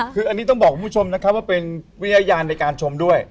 คืออันนี้ต้องบอกคุณผู้ชมนะครับว่าเป็นวิทยาลในการชมด้วย